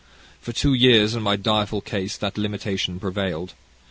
For two years in my direful case that limitation prevailed.